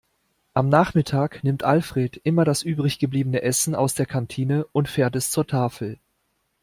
Am Nachmittag nimmt Alfred immer das übrig gebliebene Essen aus der Kantine und fährt es zur Tafel.